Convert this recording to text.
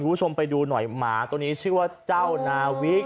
คุณผู้ชมไปดูหน่อยหมาตัวนี้ชื่อว่าเจ้านาวิก